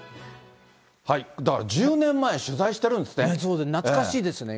だから１０年前、取材してるんですね。